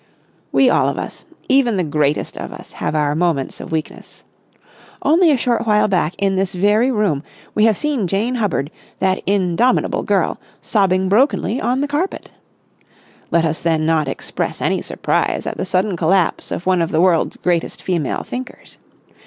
We all of us, even the greatest of us, have our moments of weakness. Only a short while back, in this very room, we have seen Jane Hubbard, that indomitable girl, sobbing brokenly on the carpet. Let us then not express any surprise at the sudden collapse of one of the world's greatest female thinkers.